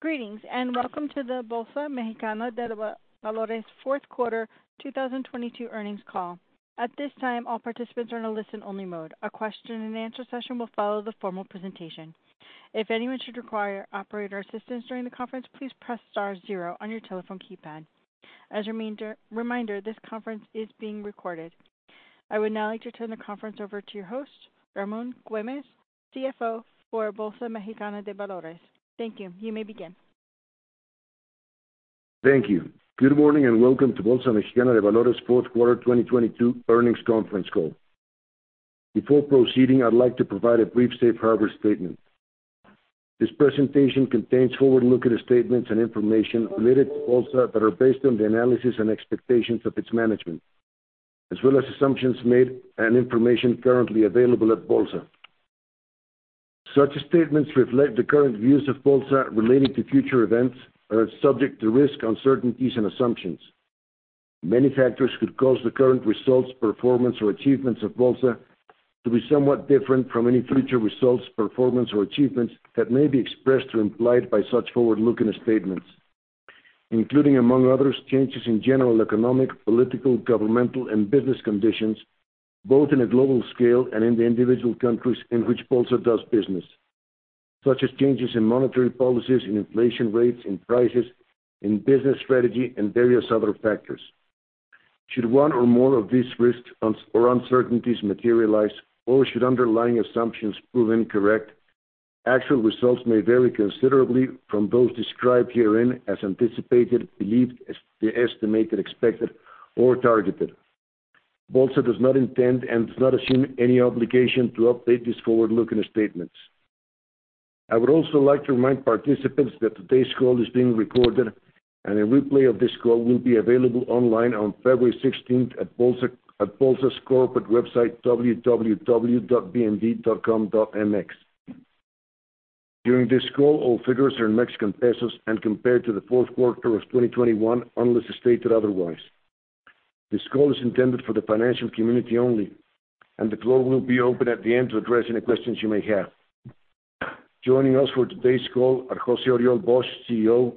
Greetings, and welcome to the Bolsa Mexicana de Valores fourth quarter 2022 earnings call. At this time, all participants are in a listen only mode. A question and answer session will follow the formal presentation. If anyone should require operator assistance during the conference, please press star 0 on your telephone keypad. As a reminder, this conference is being recorded. I would now like to turn the conference over to your host, Ramón Güémez, CFO for Bolsa Mexicana de Valores. Thank you. You may begin. Thank you. Good morning, and welcome to Bolsa Mexicana de Valores fourth quarter 2022 earnings conference call. Before proceeding, I'd like to provide a brief safe harbor statement. This presentation contains forward-looking statements and information related to Bolsa that are based on the analysis and expectations of its management, as well as assumptions made and information currently available at Bolsa. Such statements reflect the current views of Bolsa relating to future events, are subject to risks, uncertainties, and assumptions. Many factors could cause the current results, performance, or achievements of Bolsa to be somewhat different from any future results, performance, or achievements that may be expressed or implied by such forward-looking statements, including, among others, changes in general economic, political, governmental, and business conditions, both in a global scale and in the individual countries in which Bolsa does business. Such as changes in monetary policies and inflation rates and prices, in business strategy and various other factors. Should one or more of these risks or uncertainties materialize or should underlying assumptions prove incorrect, actual results may vary considerably from those described herein as anticipated, believed estimated, expected, or targeted. Bolsa does not intend and does not assume any obligation to update these forward-looking statements. I would also like to remind participants that today's call is being recorded and a replay of this call will be available online on February 16th at Bolsa's corporate website, www.bmv.com.mx. During this call, all figures are in Mexican pesos and compared to the fourth quarter of 2021, unless stated otherwise. This call is intended for the financial community only. The floor will be open at the end to address any questions you may have. Joining us for today's call are José-Oriol Bosch, CEO.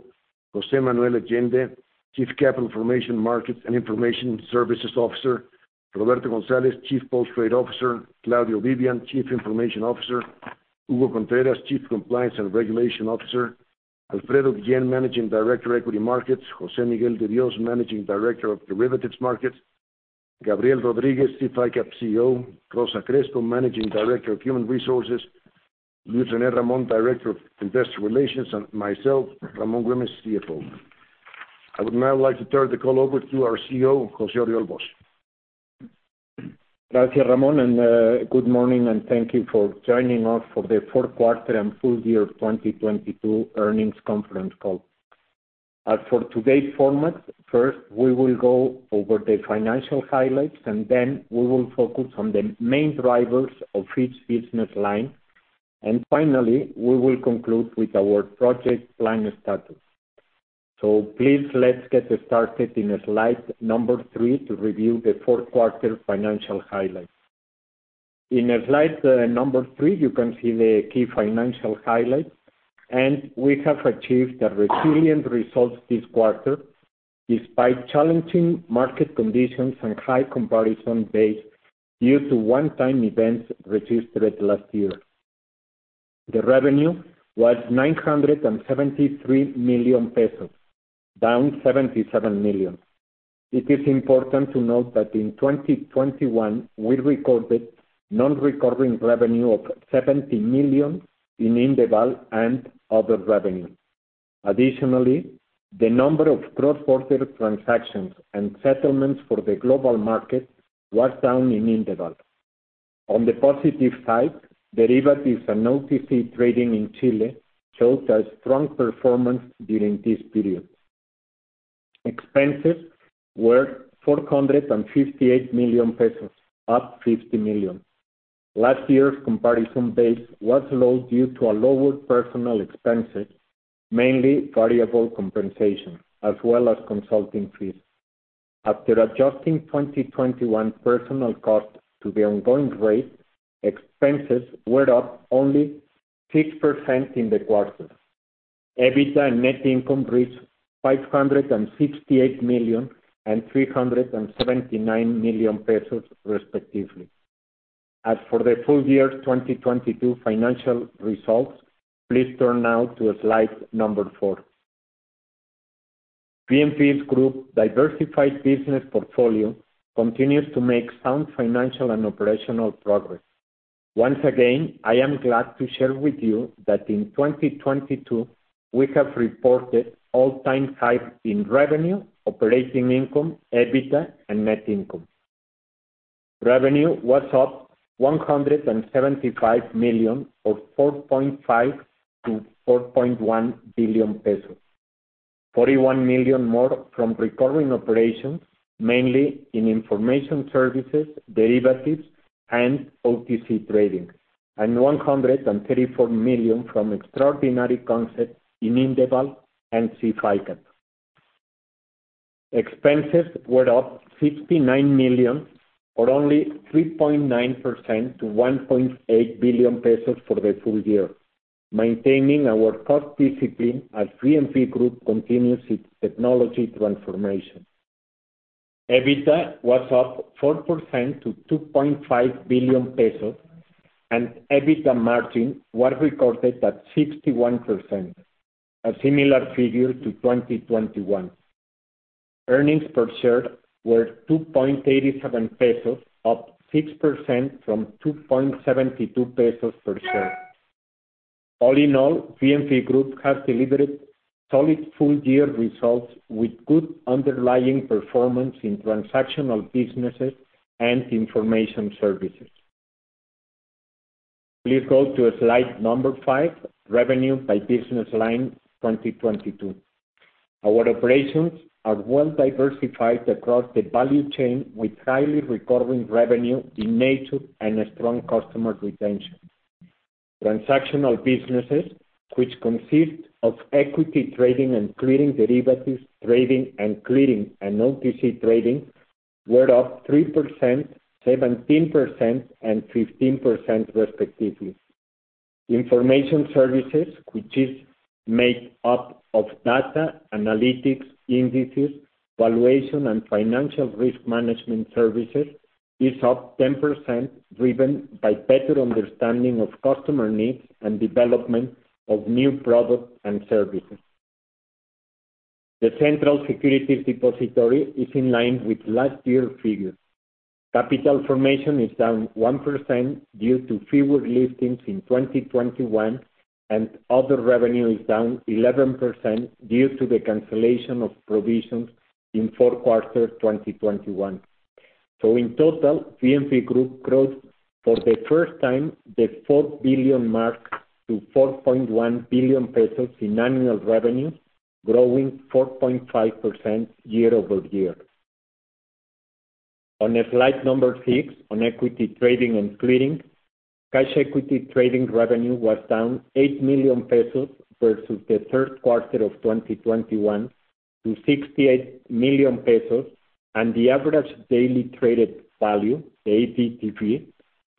José Manuel Allende, Chief Capital Formation Markets and Information Services Officer. Roberto González, Chief Post Trade Officer. Claudio Vivian, Chief Information Officer. Hugo Contreras, Chief Compliance and Regulation Officer. Alfredo Guillén, Managing Director, Equity Markets. José Miguel de Dios, Managing Director of Derivatives Markets. Gabriel Rodríguez, Chief ICAP CEO. Rosa Crespo, Managing Director of Human Resources. Luis René Ramón, Director of Industrial Relations. myself, Ramón Güémez, CFO. I would now like to turn the call over to our CEO, José-Oriol Bosch. Gracias, Ramón, good morning and thank you for joining us for the fourth quarter and full year 2022 earnings conference call. As for today's format, first, we will go over the financial highlights, and then we will focus on the main drivers of each business line. Finally, we will conclude with our project plan status. Please let's get started in slide 3 to review the fourth quarter financial highlights. In slide 3, you can see the key financial highlights, and we have achieved a resilient result this quarter despite challenging market conditions and high comparison base due to one-time events registered last year. The revenue was 973 million pesos, down 77 million. It is important to note that in 2021, we recorded non-recurring revenue of 70 million in Indeval and other revenue. Additionally, the number of cross-border transactions and settlements for the global market was down in Indeval. On the positive side, derivatives and OTC trading in Chile showed a strong performance during this period. Expenses were 458 million pesos, up 50 million. Last year's comparison base was low due to a lower personal expenses, mainly variable compensation, as well as consulting fees. After adjusting 2021 personal cost to the ongoing rate, expenses were up only 6% in the quarter. EBITDA and net income reached 568 million and 379 million pesos, respectively. As for the full year 2022 financial results, please turn now to slide number 4. BMV Group's diversified business portfolio continues to make sound financial and operational progress. Once again, I am glad to share with you that in 2022, we have reported all-time highs in revenue, operating income, EBITDA, and net income. Revenue was up 175 million or 4.5 billion-4.1 billion pesos. 41 million more from recurring operations, mainly in information services, derivatives, and OTC trading, and 134 million from extraordinary concepts in Indeval and SIF ICAP. Expenses were up 69 million, or only 3.9% to 1.8 billion pesos for the full year, maintaining our cost discipline as BMV Group continues its technology transformation. EBITDA was up 4% to 2.5 billion pesos and EBITDA margin was recorded at 61%, a similar figure to 2021. Earnings per share were 2.87 pesos, up 6% from 2.72 pesos per share. All in all, BMV Group has delivered solid full-year results with good underlying performance in transactional businesses and Information Services. Please go to slide number 5, Revenue by Business Line 2022. Our operations are well diversified across the value chain, with highly recurring revenue in nature and a strong customer retention. Transactional businesses, which consist of equity trading and clearing derivatives, trading and clearing, and OTC trading were up 3%, 17%, and 15% respectively. Information Services, which is made up of data, analytics, indices, valuation, and financial risk management services, is up 10%, driven by better understanding of customer needs and development of new products and services. The Central Securities Depository is in line with last year's figures. Capital formation is down 1% due to fewer listings in 2021. Other revenue is down 11% due to the cancellation of provisions in fourth quarter 2021. In total, BMV Group growth for the first time, the 4 billion mark to 4.1 billion pesos in annual revenue, growing 4.5% year-over-year. On slide number 6 on equity trading and clearing, cash equity trading revenue was down 8 million pesos versus the third quarter of 2021 to 68 million pesos, the average daily traded value, the ADTV,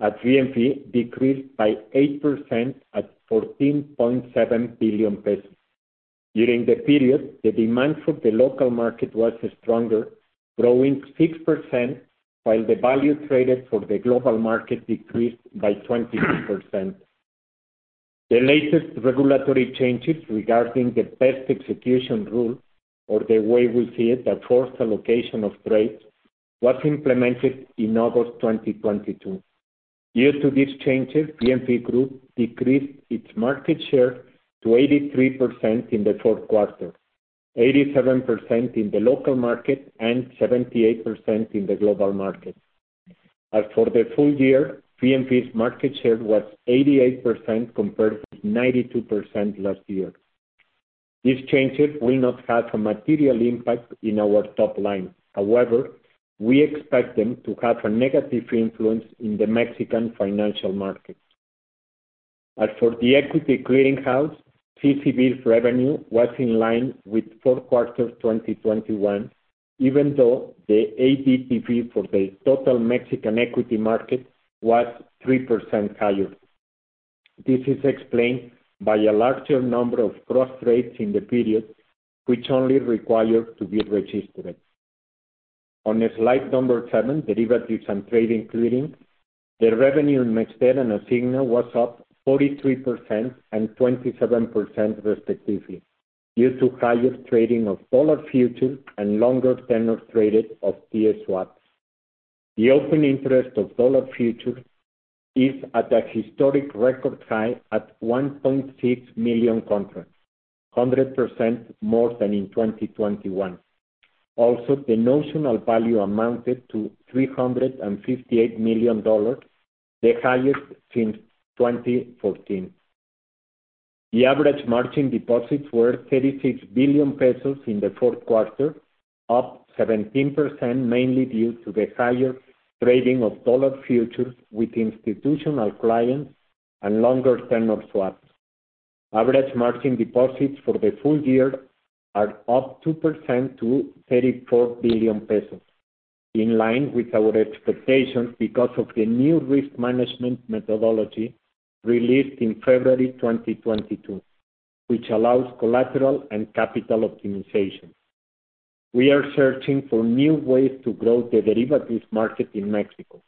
at BMV decreased by 8% at 14.7 billion pesos. During the period, the demand for the local market was stronger, growing 6%, while the value traded for the global market decreased by 22%. The latest regulatory changes regarding the best execution rule or the way we see it, the forced allocation of trades, was implemented in August 2022. Due to these changes, BMV Group decreased its market share to 83% in the fourth quarter, 87% in the local market and 78% in the global market. As for the full year, BMV's market share was 88% compared to 92% last year. These changes will not have a material impact in our top line. However, we expect them to have a negative influence in the Mexican financial market. As for the equity clearing house, CCV's revenue was in line with fourth quarter 2021 even though the ADTV for the total Mexican equity market was 3% higher. This is explained by a larger number of cross trades in the period, which only require to be registered. On slide number 7, Derivatives and Trade Including, the revenue in MexDer and Asigna was up 43% and 27% respectively due to higher trading of dollar futures and longer tenors traded of TS swaps. The open interest of dollar futures is at a historic record high at 1.6 million contracts, 100% more than in 2021. The notional value amounted to $358 million, the highest since 2014. The average margin deposits were 36 billion pesos in the fourth quarter, up 17%, mainly due to the higher trading of dollar futures with institutional clients and longer tenors swaps. Average margin deposits for the full year are up 2% to 34 billion pesos, in line with our expectations because of the new risk management methodology released in February 2022, which allows collateral and capital optimization. We are searching for new ways to grow the derivatives market in Mexico.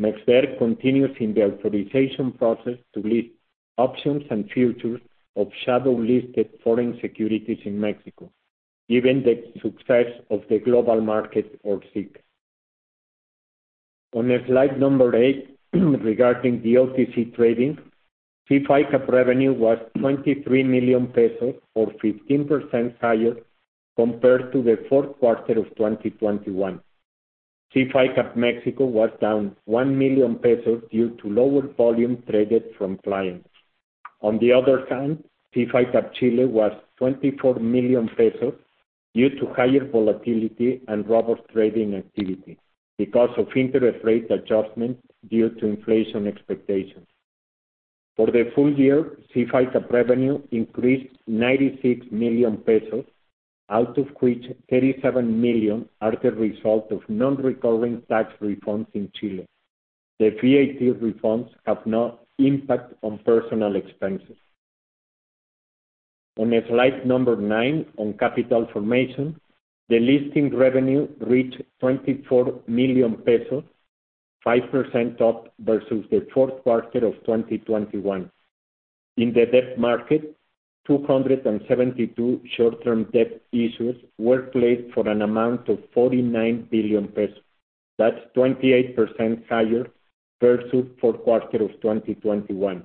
MexDer continues in the authorization process to list options and futures of shadow-listed foreign securities in Mexico, given the success of the global market or SIC. On slide 8, regarding the OTC trading, SIF ICAP revenue was 23 million pesos, or 15% higher compared to the Q4 of 2021. SIF ICAP Mexico was down 1 million pesos due to lower volume traded from clients. On the other hand, SIF ICAP Chile was 24 million pesos due to higher volatility and robust trading activity because of interest rate adjustments due to inflation expectations. For the full year, SIF ICAP revenue increased 96 million pesos, out of which 37 million are the result of non-recurring tax refunds in Chile. The VAT refunds have no impact on personal expenses. On slide number 9, on capital formation, the listing revenue reached 24 million pesos, 5% up versus the fourth quarter of 2021. In the debt market, 272 short-term debt issues were placed for an amount of 49 billion pesos. That's 28% higher versus fourth quarter of 2021.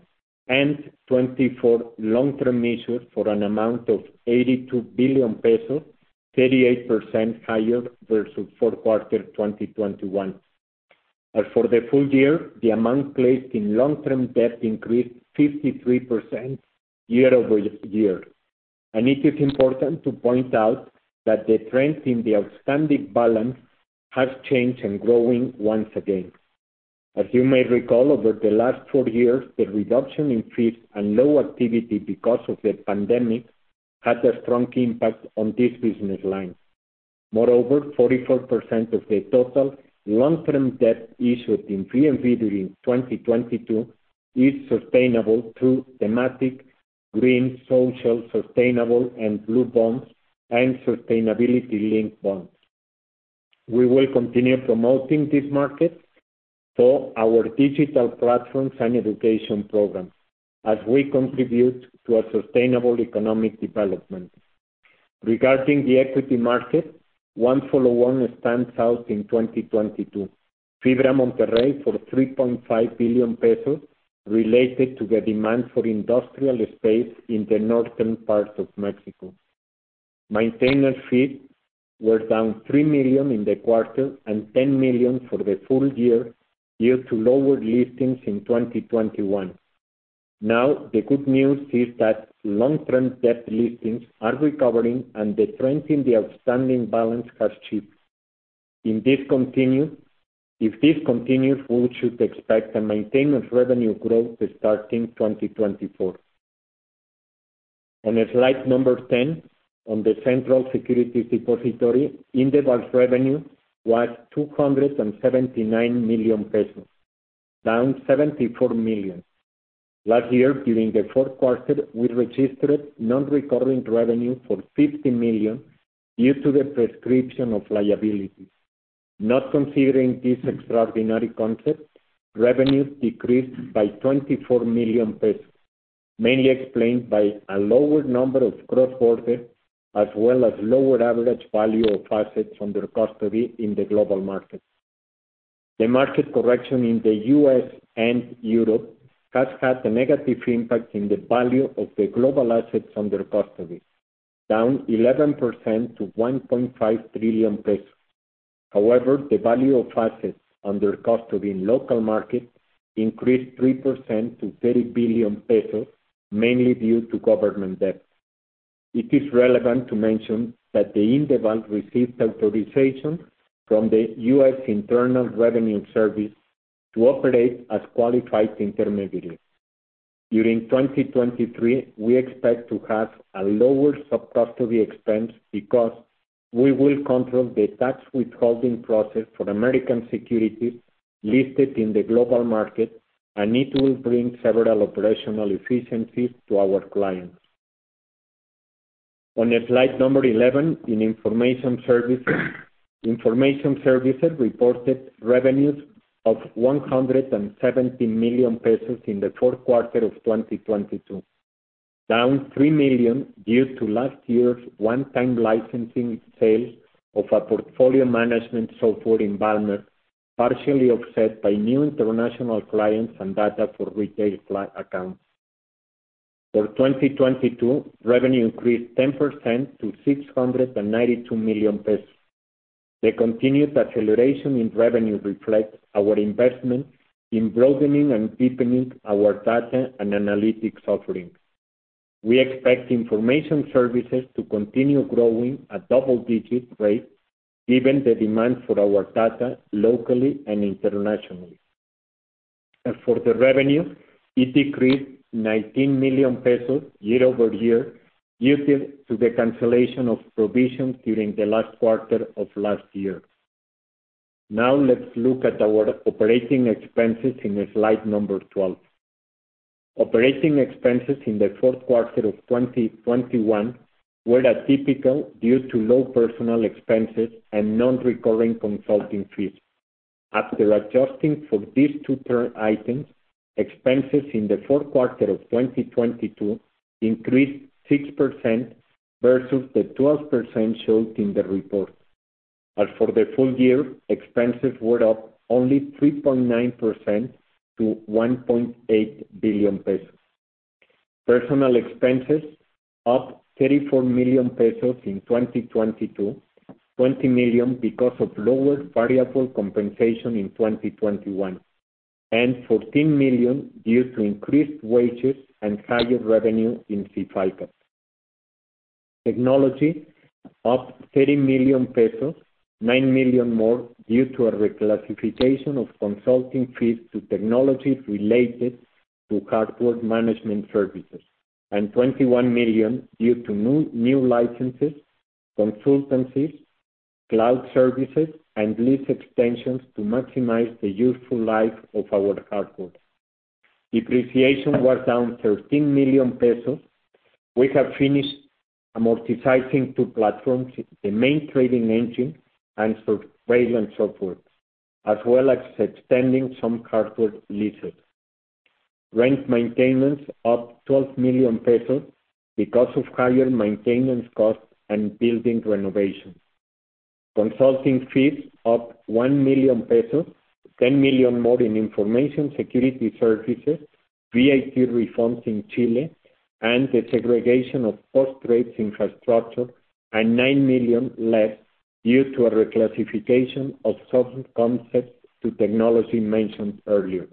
24 long-term issues for an amount of 82 billion pesos, 38% higher versus fourth quarter 2021. As for the full year, the amount placed in long-term debt increased 53% year-over-year. It is important to point out that the trend in the outstanding balance has changed and growing once again. As you may recall, over the last four years, the reduction in fees and low activity because of the pandemic had a strong impact on this business line. Moreover, 44% of the total long-term debt issued in BMV during 2022 is sustainable through thematic, green, social, sustainable, and blue bonds and sustainability-linked bonds. We will continue promoting this market for our digital platforms and education programs as we contribute to a sustainable economic development. Regarding the equity market, one follow-on stands out in 2022. Fibra Mty for 3.5 billion pesos related to the demand for industrial space in the northern parts of Mexico. Maintenance fees were down 3 million in the quarter and 10 million for the full year, due to lower listings in 2021. The good news is that long-term debt listings are recovering and the trend in the outstanding balance has shifted. If this continues, we should expect a maintenance revenue growth starting 2024. On slide number 10, on the central securities depository, Indeval's revenue was 279 million pesos, down 74 million. Last year, during the fourth quarter, we registered non-recurring revenue for 50 million due to the prescription of liabilities. Not considering this extraordinary concept, revenues decreased by 24 million pesos, mainly explained by a lower number of cross-border, as well as lower average value of assets under custody in the global market. The market correction in the U.S. and Europe has had a negative impact in the value of the global assets under custody, down 11% to 1.5 trillion pesos. However, the value of assets under custody in local markets increased 3% to 30 billion pesos, mainly due to government debt. It is relevant to mention that Indeval received authorization from the U.S. Internal Revenue Service to operate as qualified intermediary. During 2023, we expect to have a lower subcustody expense because we will control the tax withholding process for American securities listed in the global market. It will bring several operational efficiencies to our clients. On slide number 11, in Information Services. Information Services reported revenues of 170 million pesos in the fourth quarter of 2022, down 3 million due to last year's one-time licensing sales of our portfolio management software environment, partially offset by new international clients and data for retail accounts. For 2022, revenue increased 10% to 692 million pesos. The continued acceleration in revenue reflects our investment in broadening and deepening our data and analytics offerings. We expect Information Services to continue growing at double-digit rates given the demand for our data locally and internationally. As for the revenue, it decreased 19 million pesos year-over-year due to the cancellation of provisions during the last quarter of last year. Let's look at our operating expenses in slide 12. Operating expenses in the fourth quarter of 2021 were atypical due to low personal expenses and non-recurring consulting fees. After adjusting for these two term items, expenses in the fourth quarter of 2022 increased 6% versus the 12% shown in the report. As for the full year, expenses were up only 3.9% to 1.8 billion pesos. Personnel expenses up 34 million pesos in 2022, 20 million because of lower variable compensation in 2021, and 14 million due to increased wages and higher revenue in SIF ICAP. Technology up 30 million pesos, 9 million more due to a reclassification of consulting fees to technologies related to hardware management services, and 21 million due to new licenses, consultancies, cloud services, and lease extensions to maximize the useful life of our hardware. Depreciation was down 13 million pesos. We have finished amortizing two platforms, the main trading engine and surveillance software, as well as extending some hardware leases. Rent maintenance up 12 million pesos because of higher maintenance costs and building renovations. Consulting fees up 1 million pesos, 10 million more in information security services, VAT refunds in Chile, and the segregation of post-trade infrastructure, and 9 million less due to a reclassification of certain concepts to technology mentioned earlier.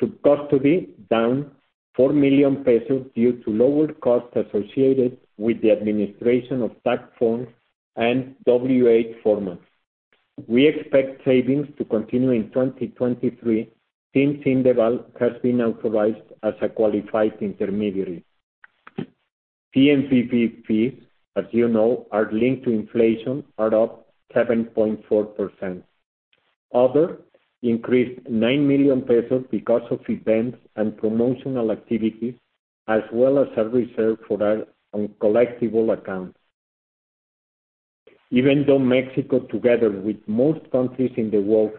To custody down 4 million pesos due to lower costs associated with the administration of tax forms and W-8 forms. We expect savings to continue in 2023 since Indeval has been authorized as a qualified intermediary. BNPB fees, as you know, are linked to inflation, are up 7.4%. Other increased 9 million pesos because of events and promotional activities, as well as a reserve for our uncollectible accounts. Even though Mexico, together with most countries in the world,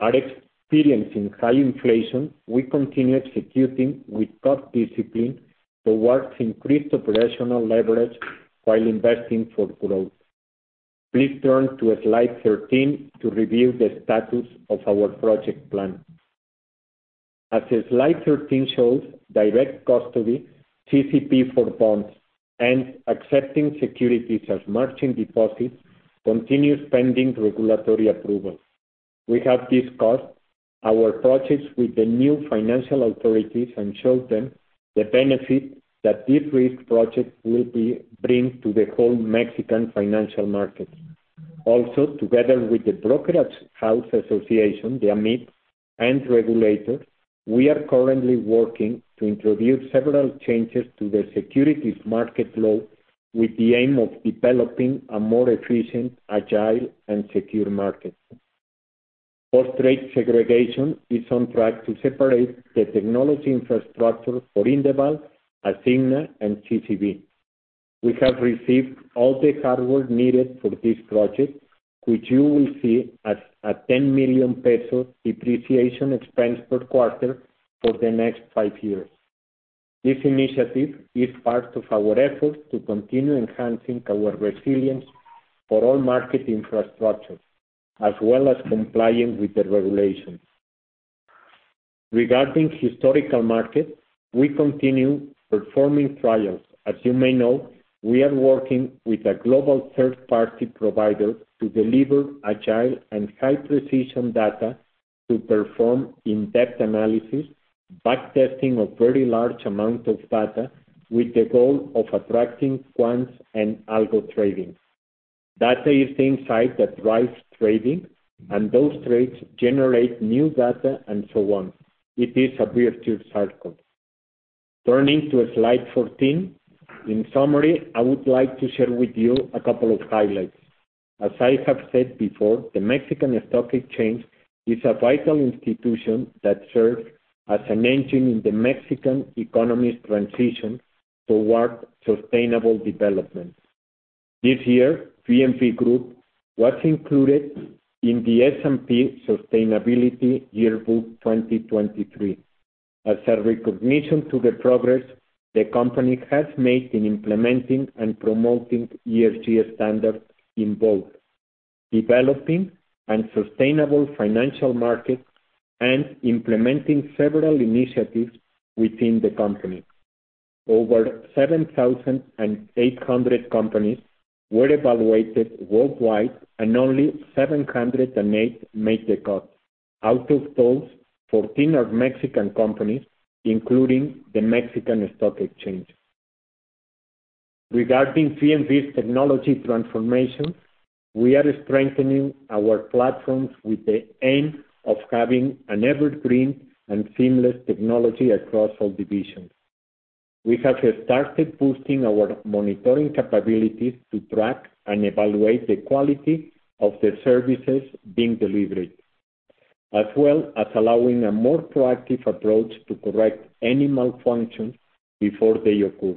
are experiencing high inflation, we continue executing with cost discipline towards increased operational leverage while investing for growth. Please turn to slide 13 to review the status of our project plan. As slide 13 shows, direct custody, CCP for bonds, and accepting securities as margin deposits continue pending regulatory approvals. We have discussed our projects with the new financial authorities and showed them the benefit that de-risk projects will bring to the whole Mexican financial market. Together with the brokerage house association, the AMIB, and regulators, we are currently working to introduce several changes to the securities market law with the aim of developing a more efficient, agile, and secure market. post-trade segregation is on track to separate the technology infrastructure for Indeval, Asigna, and CCV. We have received all the hardware needed for this project, which you will see as a 10 million peso depreciation expense per quarter for the next 5 years. This initiative is part of our effort to continue enhancing our resilience for all market infrastructures, as well as complying with the regulations. Regarding historical market, we continue performing trials. As you may know, we are working with a global third-party provider to deliver agile and high-precision data to perform in-depth analysis, back-testing a very large amount of data with the goal of attracting quants and Algo trading. Data is the insight that drives trading, and those trades generate new data and so on. It is a virtuous circle. Turning to slide 14, in summary, I would like to share with you a couple of highlights. As I have said before, the Mexican Stock Exchange is a vital institution that serves as an engine in the Mexican economy's transition toward sustainable development. This year, BMV Group was included in the S&P Sustainability Yearbook 2023 as a recognition to the progress the company has made in implementing and promoting ESG standards in both developing and sustainable financial markets and implementing several initiatives within the company. Over 7,800 companies were evaluated worldwide, only 708 made the cut. Out of those, 14 are Mexican companies, including the Mexican Stock Exchange. Regarding BMV's technology transformation, we are strengthening our platforms with the aim of having an evergreen and seamless technology across all divisions. We have started boosting our monitoring capabilities to track and evaluate the quality of the services being delivered, as well as allowing a more proactive approach to correct any malfunctions before they occur.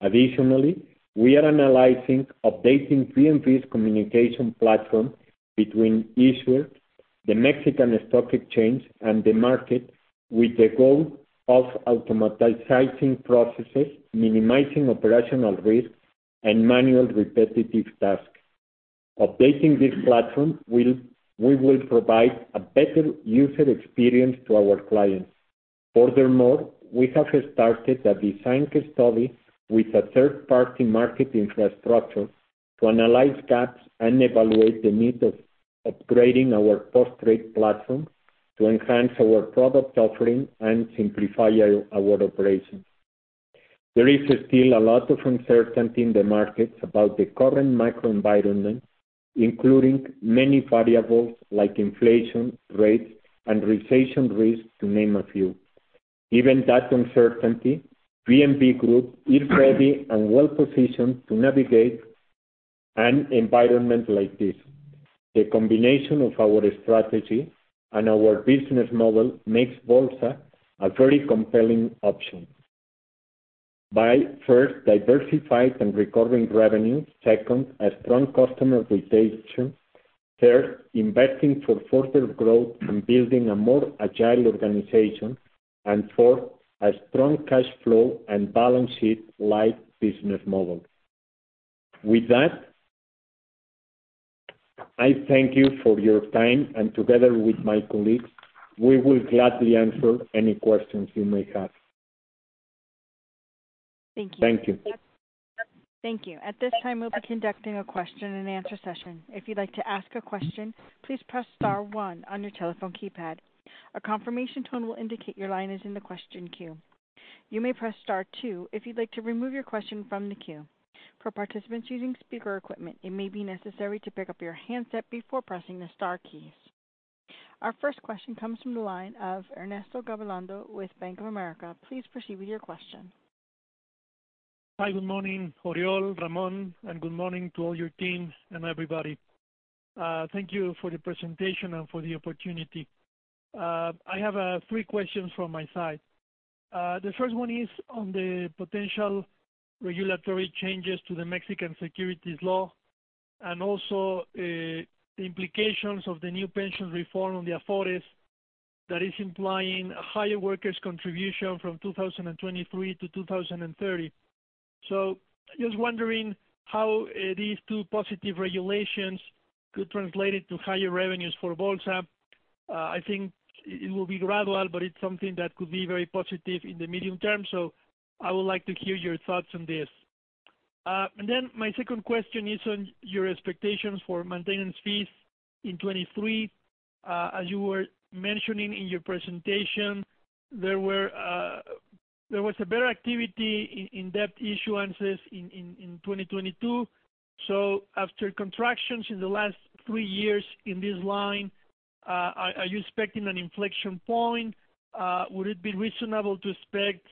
Additionally, we are analyzing updating BMV's communication platform between issuers, the Mexican Stock Exchange, and the market with the goal of automaticizing processes, minimizing operational risks, and manual repetitive tasks. Updating this platform we will provide a better user experience to our clients. Furthermore, we have started a direct custody with a third-party market infrastructure to analyze gaps and evaluate the need of upgrading our post-trade platform to enhance our product offering and simplify our operations. There is still a lot of uncertainty in the markets about the current macroenvironment, including many variables like inflation rates and recession risk, to name a few. Given that uncertainty, BMV Group is ready and well-positioned to navigate an environment like this. The combination of our strategy and our business model makes Bolsa a very compelling option. By first diversifying and recovering revenue, second, a strong customer rotation, third, investing for further growth and building a more agile organization, and fourth, a strong cash flow and balance sheet light business model. With that, I thank you for your time, and together with my colleagues, we will gladly answer any questions you may have. Thank you. Thank you. Thank you. At this time, we'll be conducting a question and answer session. If you'd like to ask a question, please press star 1 on your telephone keypad. A confirmation tone will indicate your line is in the question queue. You may press star 2 if you'd like to remove your question from the queue. For participants using speaker equipment, it may be necessary to pick up your handset before pressing the star keys. Our first question comes from the line of Ernesto Gabilondo with Bank of America. Please proceed with your question. Hi. Good morning, Oriol, Ramon, and good morning to all your teams and everybody. Thank you for the presentation and for the opportunity. I have three questions from my side. The first one is on the potential regulatory changes to the Mexican Securities Law and also the implications of the new pension reform on the Afores that is implying a higher workers contribution from 2023 to 2030. Just wondering how these two positive regulations could translate into higher revenues for Bolsa. I think it will be gradual, but it's something that could be very positive in the medium term. I would like to hear your thoughts on this. My second question is on your expectations for maintenance fees in 2023. As you were mentioning in your presentation, there was a better activity in debt issuances in 2022. After contractions in the last 3 years in this line, are you expecting an inflection point? Would it be reasonable to expect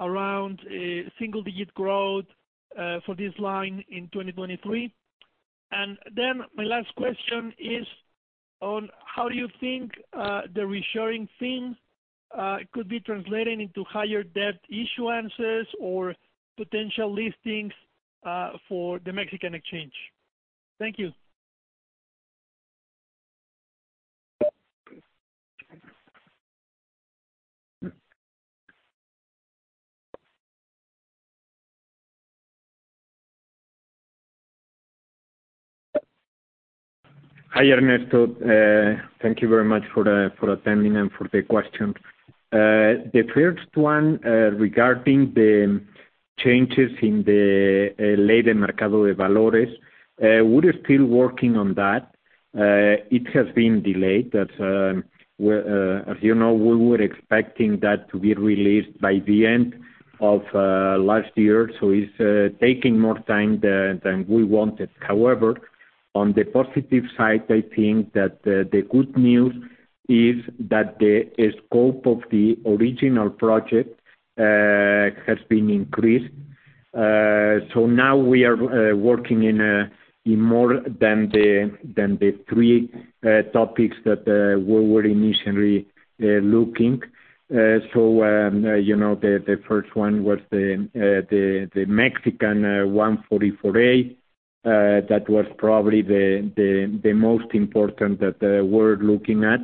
around a single-digit growth for this line in 2023? My last question is on how you think the reassuring theme could be translating into higher debt issuances or potential listings for the Mexican exchange. Thank you. Hi, Ernesto. Thank you very much for attending and for the questions. The first one, regarding the changes in the Ley del Mercado de Valores, we are still working on that. It has been delayed. As you know, we were expecting that to be released by the end of last year, so it's taking more time than we wanted. However, on the positive side, I think that the good news is that the scope of the original project has been increased. Now we are working in more than the three topics that we were initially looking. You know, the first one was the Mexican Rule 144A, that was probably the most important that we're looking at.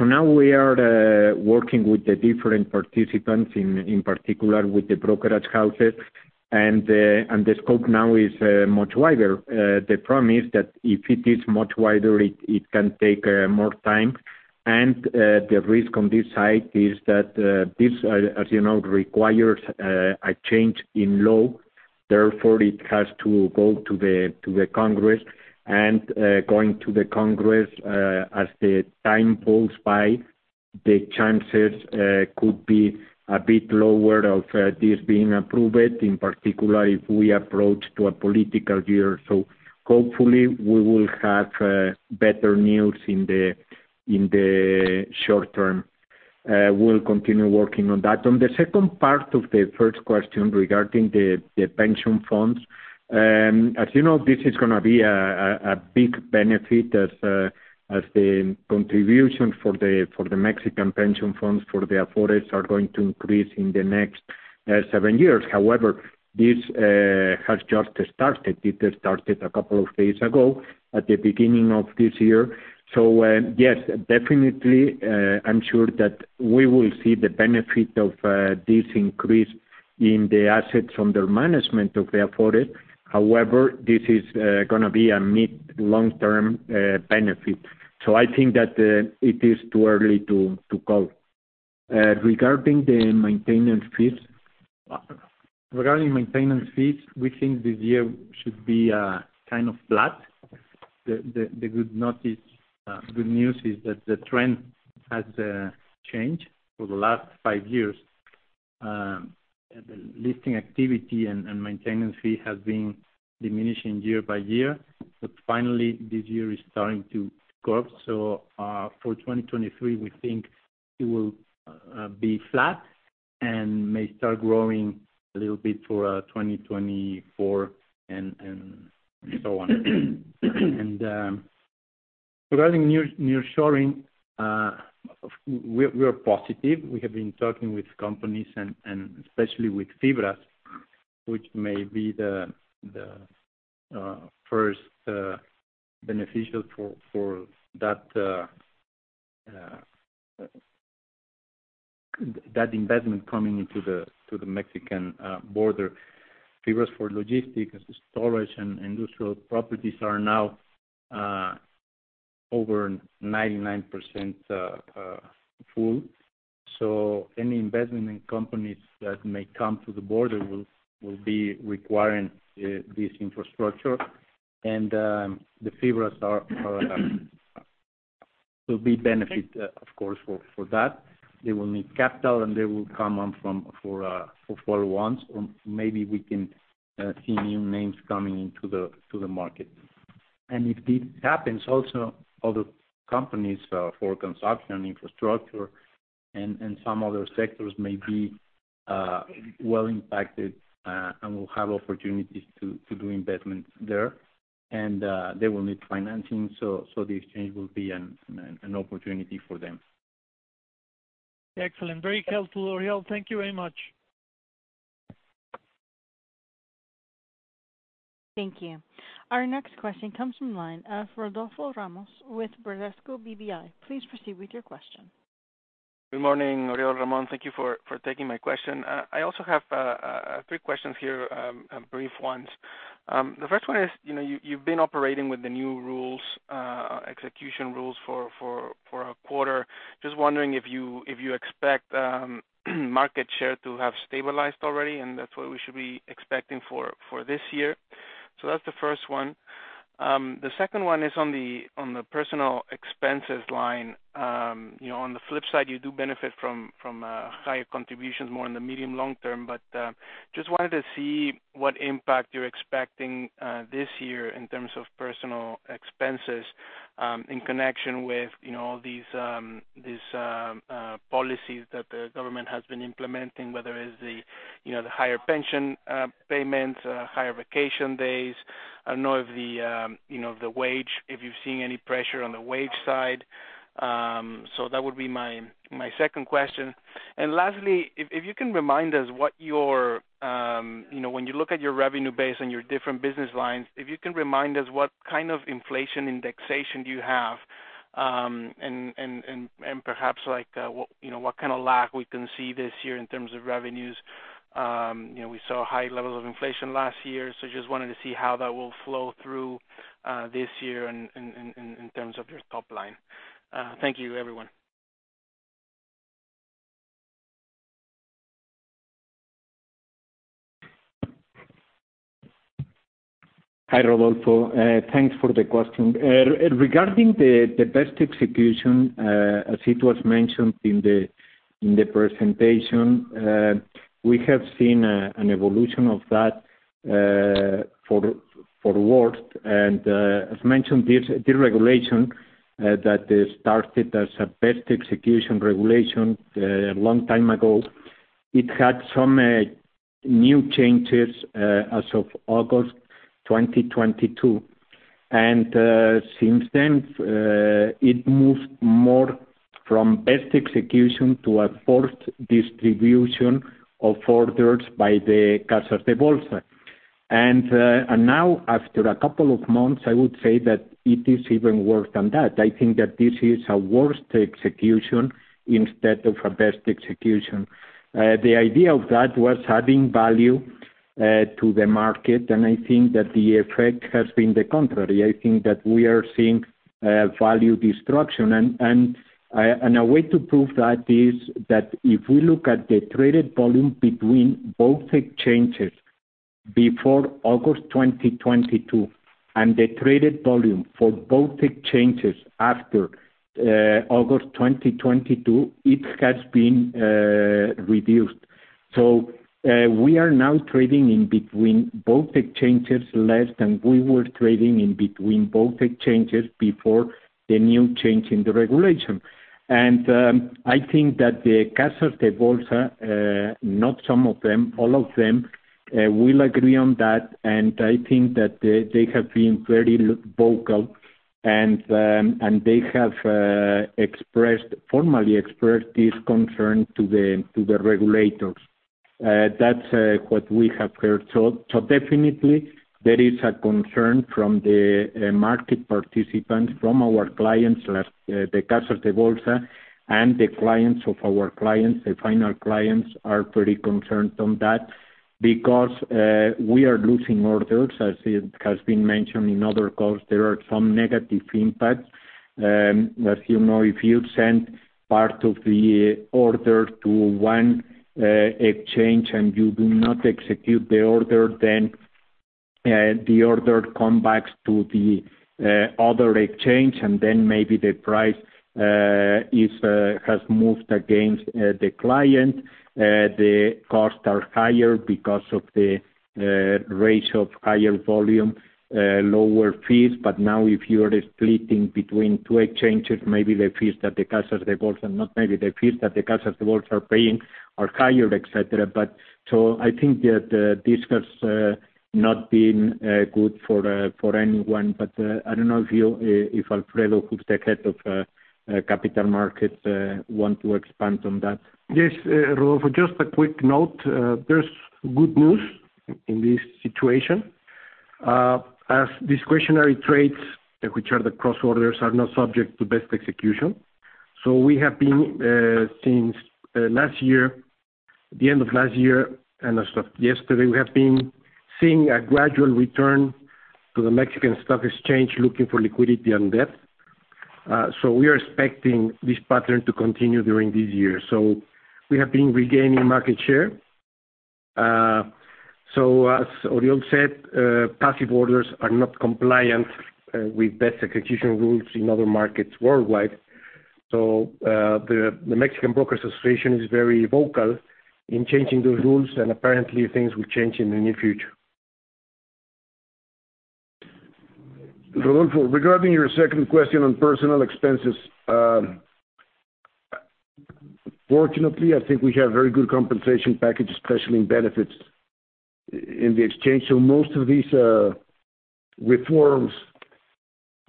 Now we are working with the different participants, in particular with the brokerage houses, and the scope now is much wider. The problem is that if it is much wider, it can take more time. The risk on this side is that this, as you know, requires a change in law. Therefore, it has to go to the Congress. Going to the Congress, as the time goes by, the chances could be a bit lower of this being approved, in particular if we approach to a political year. Hopefully we will have better news in the short term. We'll continue working on that. On the second part of the first question regarding the pension funds, as you know, this is gonna be a big benefit as the contribution for the Mexican pension funds, for the Afores are going to increase in the next seven years. However, this has just started. It has started a couple of days ago at the beginning of this year. Yes, definitely, I'm sure that we will see the benefit of this increase in the assets under management of the Afores. However, this is gonna be a mid-long-term benefit. I think that it is too early to call. Regarding the maintenance fees, we think this year should be kind of flat. The good news is that the trend has changed for the last 5 years. The listing activity and maintenance fee has been diminishing year by year, finally this year is starting to curve. For 2023, we think it will be flat and may start growing a little bit for 2024 and so on. Regarding nearshoring, we are positive. We have been talking with companies and especially with FIBRAS, which may be the first beneficial for that investment coming into the Mexican border. FIBRAS for logistics, storage, and industrial properties are now over 99% full. Any investment in companies that may come to the border will be requiring this infrastructure. The FIBRAS are, will be benefit, of course, for that. They will need capital, and they will come on from for follow-ons, or maybe we can see new names coming into the market. If this happens, also other companies for construction, infrastructure and some other sectors may be well impacted and will have opportunities to do investments there. They will need financing, so the exchange will be an opportunity for them. Excellent. Very helpful, Oriol. Thank you very much. Thank you. Our next question comes from line of Rodolfo Ramos with Bradesco BBI. Please proceed with your question. Good morning, Oriol, Ramón. Thank you for taking my question. I also have three questions here, brief ones. The first one is, you know, you've been operating with the new rules, execution rules for a quarter. Just wondering if you expect market share to have stabilized already, and that's what we should be expecting for this year. That's the first one. The second one is on the personal expenses line. You know, on the flip side, you do benefit from higher contributions more in the medium long term. Just wanted to see what impact you're expecting this year in terms of personal expenses in connection with, you know, these policies that the government has been implementing, whether is the, you know, the higher pension payments, higher vacation days? I don't know if the, you know, the wage, if you've seen any pressure on the wage side? That would be my second question. Lastly, if you can remind us, you know, when you look at your revenue base and your different business lines, if you can remind us what kind of inflation indexation do you have? Perhaps like, you know, what kind of lag we can see this year in terms of revenues? You know, we saw high levels of inflation last year. Just wanted to see how that will flow through, this year in terms of your top line. Thank you, everyone. Hi, Rodolfo. Thanks for the question. Regarding the best execution, as it was mentioned in the presentation, we have seen an evolution of that for the worst. As mentioned, this deregulation that started as a best execution regulation long time ago, it had some new changes as of August 2022. Since then, it moved more from best execution to a forced distribution of orders by the Casas de Bolsa. Now after a couple of months, I would say that it is even worse than that. I think that this is a worst execution instead of a best execution. The idea of that was adding value to the market, and I think that the effect has been the contrary. I think that we are seeing, value destruction. A way to prove that is that if we look at the traded volume between both exchanges before August 2022, and the traded volume for both exchanges after, August 2022, it has been reduced. We are now trading in between both exchanges less than we were trading in between both exchanges before the new change in the regulation. I think that the Casas de Bolsa, not some of them, all of them, will agree on that. I think that they have been very vocal, and they have formally expressed this concern to the regulators. That's what we have heard. Definitely there is a concern from the market participants, from our clients, the Casas de Bolsa, and the clients of our clients. The final clients are pretty concerned on that. We are losing orders, as it has been mentioned in other calls, there are some negative impacts. As you know, if you send part of the order to one exchange and you do not execute the order then, the order come backs to the other exchange, and then maybe the price has moved against the client. The costs are higher because of the ratio of higher volume, lower fees. Now if you're splitting between two exchanges, maybe the fees that the customers, the both are paying are higher, et cetera. I think that this has not been good for anyone. I don't know if Alfredo, who's the head of capital markets, want to expand on that. Yes, Rodolfo, just a quick note. There's good news in this situation. As discretionary trades, which are the cross orders, are not subject to best execution. We have been, since last year, the end of last year and as of yesterday, we have been seeing a gradual return to the Mexican Stock Exchange looking for liquidity and depth. We are expecting this pattern to continue during this year. We have been regaining market share. As Oriol said, passive orders are not compliant with best execution rules in other markets worldwide. The Mexican Brokers Association is very vocal in changing those rules, and apparently things will change in the near future. Rodolfo, regarding your second question on personnel expenses. Fortunately, I think we have very good compensation packages, especially in benefits in the exchange. Most of these reforms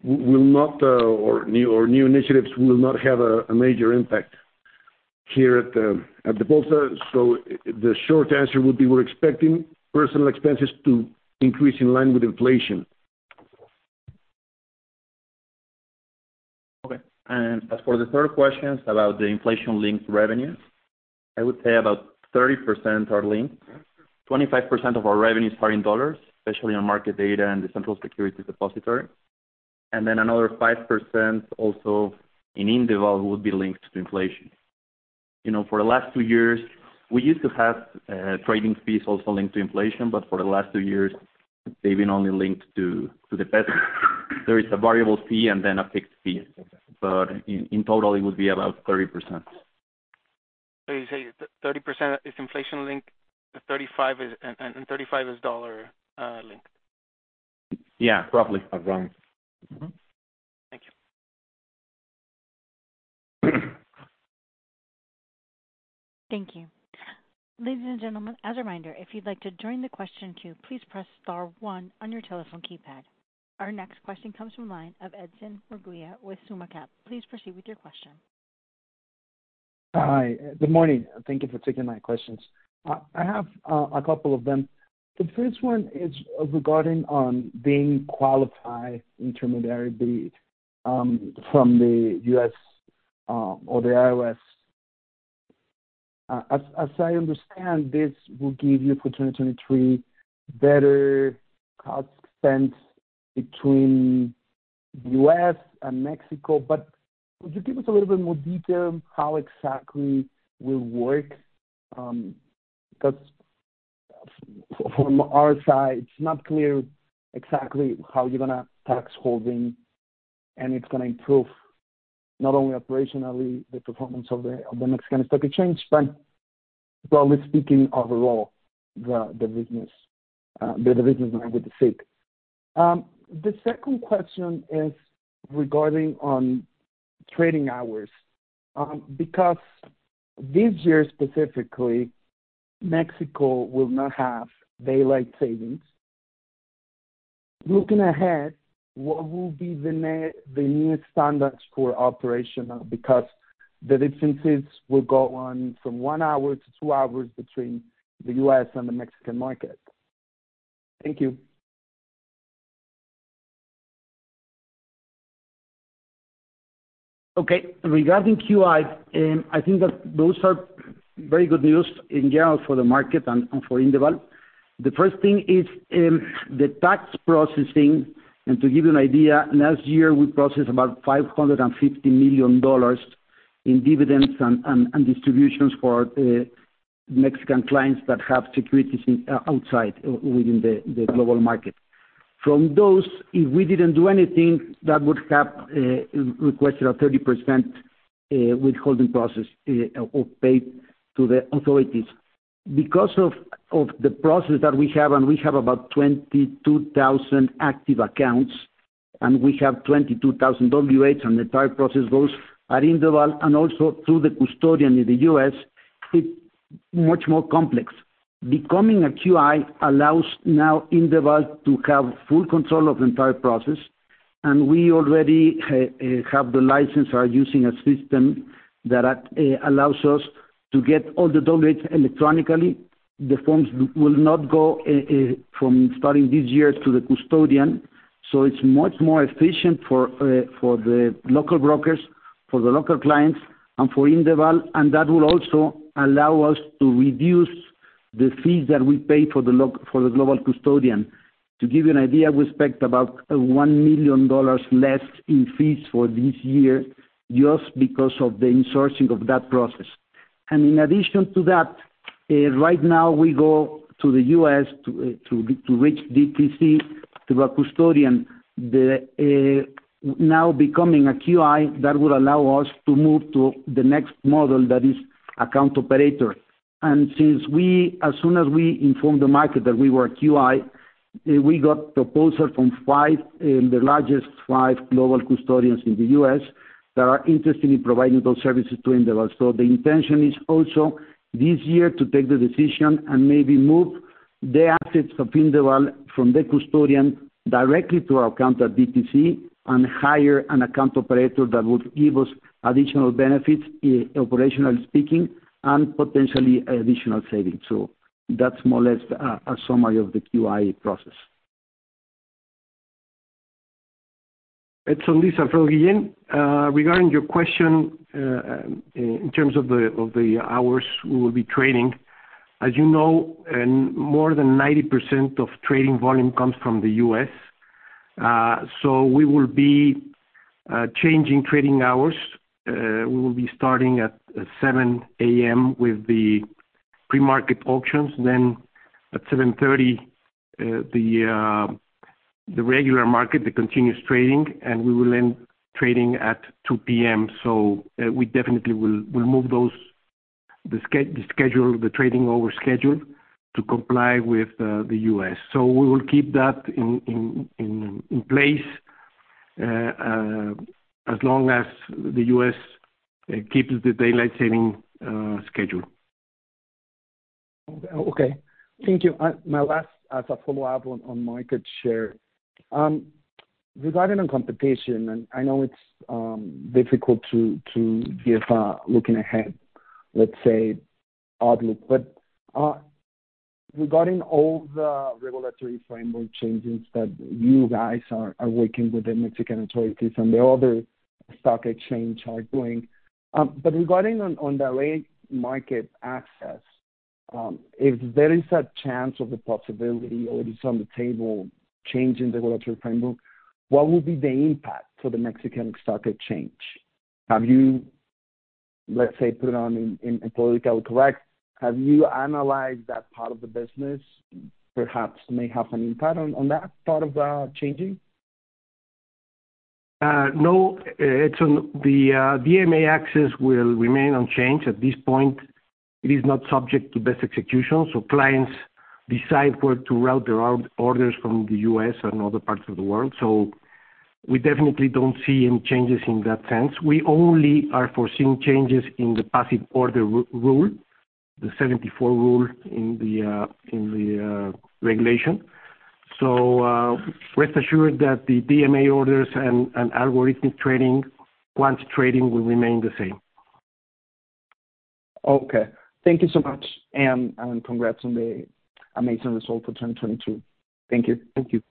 will not, or new initiatives will not have a major impact here at the Bolsa. The short answer would be we're expecting personnel expenses to increase in line with inflation. Okay. As for the third question about the inflation-linked revenue, I would say about 30% are linked. 25% of our revenues are in dollars, especially on market data and the central securities depository. Then another 5% also in Indeval would be linked to inflation. You know, for the last two years, we used to have trading fees also linked to inflation, but for the last two years, they've been only linked to the peso. There is a variable fee and then a fixed fee, but in total it would be about 30%. You say 30% is inflation-linked, and 35 is dollar linked. Yeah, roughly. I've done. Thank you. Thank you. Ladies and gentlemen, as a reminder, if you'd like to join the question queue, please press star 1 on your telephone keypad. Our next question comes from line of Edson Rabuja with SummaCap. Please proceed with your question. Hi. Good morning. Thank you for taking my questions. I have a couple of them. The first one is regarding on being qualified intermediary from the U.S. or the SIC. As I understand, this will give you for 2023 better cost spent between U.S. and Mexico. Could you give us a little bit more detail how exactly will work? Because from our side, it's not clear exactly how you're gonna tax holding, and it's gonna improve not only operationally the performance of the Mexican Stock Exchange, but broadly speaking overall, the business, the business line with the SIC. The second question is regarding on trading hours. Because this year specifically, Mexico will not have daylight savings. Looking ahead, what will be the new standards for operational? The differences will go on from 1-2 hours between the U.S. and the Mexican market. Thank you. Okay. Regarding QI, I think that those are very good news in general for the market and for Indeval. The first thing is the tax processing. To give you an idea, last year we processed about $550 million in dividends and distributions for the Mexican clients that have securities within the global market. From those, if we didn't do anything, that would have requested a 30% withholding process or paid to the authorities. Because of the process that we have, and we have about 22,000 active accounts, and we have 22,000 W-8s on the entire process, those are Indeval and also through the custodian in the US, it's much more complex. Becoming a QI allows now Indeval to have full control of the entire process. We already have the license, are using a system that allows us to get all the W-8s electronically. The forms will not go from starting this year to the custodian. It's much more efficient for the local brokers, for the local clients, and for SIF ICAP. That will also allow us to reduce the fees that we pay for the global custodian. To give you an idea, we expect about $1 million less in fees for this year just because of the insourcing of that process. In addition to that, right now we go to the U.S. to reach DTC through our custodian. Now becoming a QI, that would allow us to move to the next model that is account operator. Since as soon as we informed the market that we were a QI, we got proposal from the largest five global custodians in the U.S. that are interested in providing those services to SIF ICAP. The intention is also this year to take the decision and maybe move the assets of Indeval from the custodian directly to our account at DTC and hire an account operator that would give us additional benefits, operational speaking, and potentially additional savings. That's more or less a summary of the QI process. Edson Murguia from Guillen, regarding your question in terms of the hours we will be trading. As you know, more than 90% of trading volume comes from the U.S. We will be changing trading hours. We will be starting at 7:00 A.M. with the pre-market auctions, then at 7:30 A.M. the regular market, the continuous trading, and we will end trading at 2:00 P.M. We definitely will move those, the schedule, the trading hour schedule to comply with the U.S. We will keep that in place as long as the U.S. keeps the daylight saving schedule. Okay. Thank you. My last as a follow-up on market share. Regarding on competition, I know it's difficult to give a looking ahead, let's say outlook. Regarding all the regulatory framework changes that you guys are working with the Mexican authorities and the other stock exchange are doing. Regarding on delayed market access, if there is a chance of the possibility or it is on the table change in the regulatory framework, what will be the impact for the Mexican stock exchange? Have you, let's say, put it on in a political collect, have you analyzed that part of the business perhaps may have an impact on that part of the changing? No, Edson. The DMA access will remain unchanged. At this point, it is not subject to best execution, so clients decide where to route their orders from the US and other parts of the world. We definitely don't see any changes in that sense. We only are foreseeing changes in the passive order rule, the 74 rule in the regulation. Rest assured that the DMA orders and algorithmic trading, quant trading will remain the same. Okay. Thank you so much. Congrats on the amazing result for 2022. Thank you. Thank you.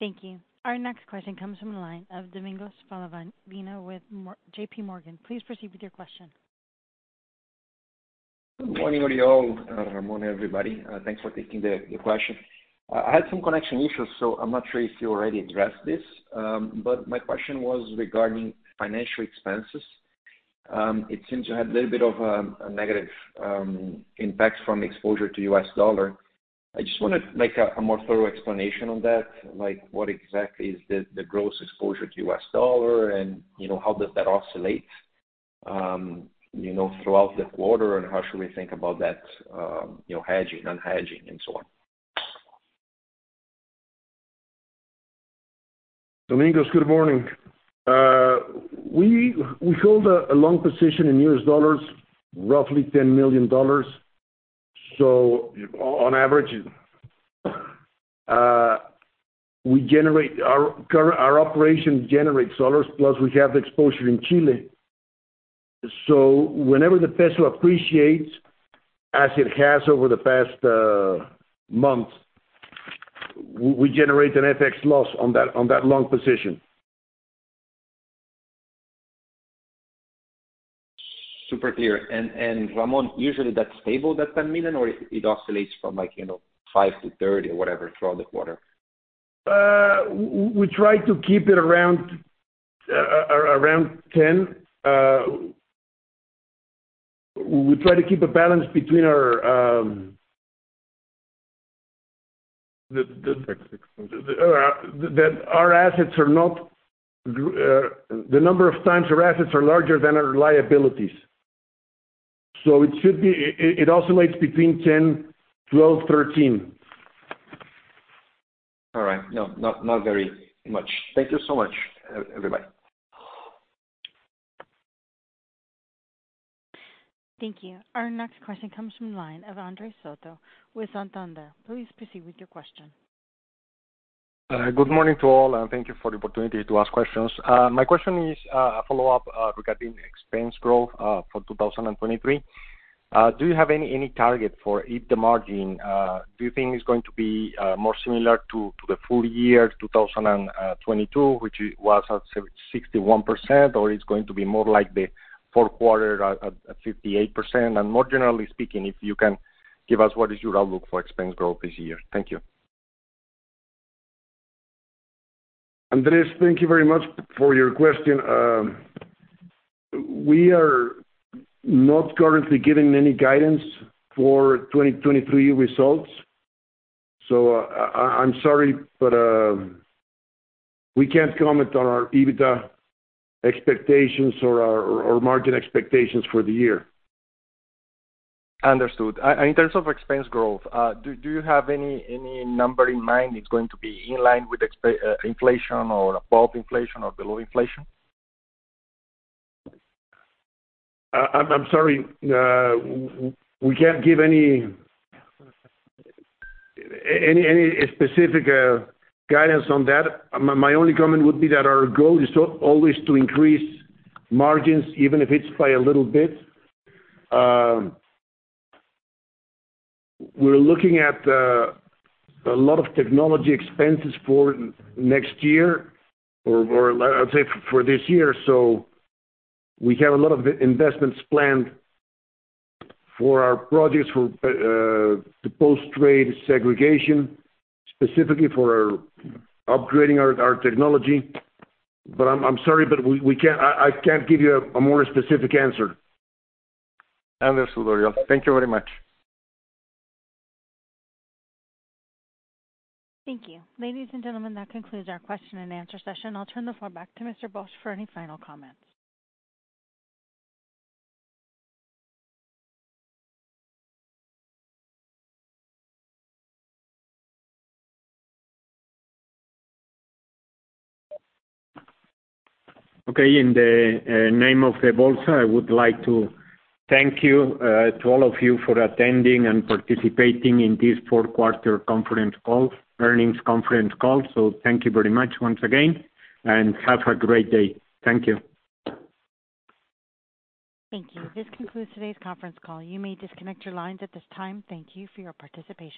Thank you. Our next question comes from the line of Domingos Falavina with JPMorgan. Please proceed with your question. Good morning, Oriol. Good morning everybody. Thanks for taking the question. I had some connection issues, so I'm not sure if you already addressed this. My question was regarding financial expenses. It seems you had a little bit of a negative impact from exposure to US dollar. I just wanted like a more thorough explanation on that. Like what exactly is the gross exposure to US dollar and, you know, how does that oscillate, you know, throughout the quarter? How should we think about that, you know, hedging, unhedging and so on? Domingo, good morning. We hold a long position in US dollars, roughly $10 million. On average, our operations generate dollars, plus we have exposure in Chile. Whenever the peso appreciates, as it has over the past months, we generate an FX loss on that long position. Super clear. Ramon, usually that's stable, that 10 million, or it oscillates from like, you know, 5-30 or whatever throughout the quarter? We try to keep it around 10. We try to keep a balance between our, the number of times our assets are larger than our liabilities. It oscillates between 10, 12, 13. All right. No, not very much. Thank you so much, everybody.. Thank you. Our next question comes from the line of Andres Soto with Santander. Please proceed with your question. Good morning to all, and thank you for the opportunity to ask questions. My question is a follow-up regarding expense growth for 2023. Do you have any target for EBITDA margin? Do you think it's going to be more similar to the full year 2022, which was at 61%, or it's going to be more like the fourth quarter at 58%? More generally speaking, if you can give us what is your outlook for expense growth this year. Thank you. Andres, thank you very much for your question. We are not currently giving any guidance for 2023 results, so, I'm sorry, but, we can't comment on our EBITDA expectations or margin expectations for the year. Understood. In terms of expense growth, do you have any number in mind? It's going to be in line with inflation or above inflation or below inflation? I'm sorry. We can't give any specific guidance on that. My only comment would be that our goal is always to increase margins, even if it's by a little bit. We're looking at a lot of technology expenses for next year or let's say for this year. We have a lot of investments planned for our projects for the post-trade segregation, specifically for upgrading our technology. I'm sorry, I can't give you a more specific answer. Understood, Oriol. Thank you very much. Thank you. Ladies and gentlemen, that concludes our question and answer session. I'll turn the floor back to Mr. Bosch for any final comments. Okay. In the name of EF Bolsa, I would like to thank you to all of you for attending and participating in this fourth quarter earnings conference call. Thank you very much once again, and have a great day. Thank you. Thank you. This concludes today's conference call. You may disconnect your lines at this time. Thank you for your participation.